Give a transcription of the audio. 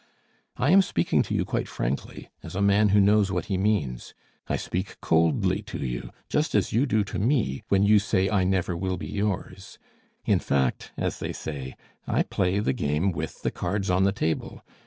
I am speaking to you quite frankly, as a man who knows what he means. I speak coldly to you, just as you do to me, when you say, 'I never will be yours,' In fact, as they say, I play the game with the cards on the table.